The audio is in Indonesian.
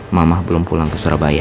mamah belum pulang ke surabaya